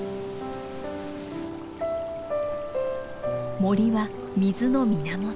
森は水の源。